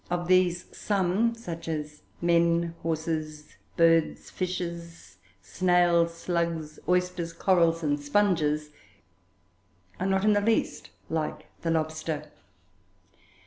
Of these, some, such as men, horses, birds, fishes, snails, slugs, oysters, corals, and sponges, are not in the least like the lobster.